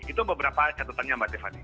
itu beberapa catatannya mbak tiffany